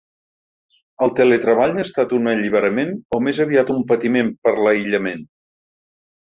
El teletreball ha estat un alliberament o més aviat un patiment per l’aïllament?